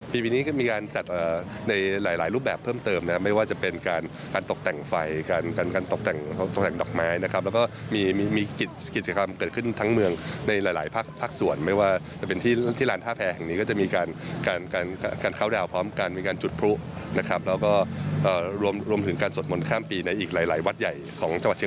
ความรู้สึกวินอย่างหนักมาแล้วเชียงใหม่ตอนนี้กำลังฟื้น